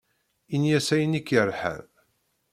Ini-as ayen ik-yerḥan.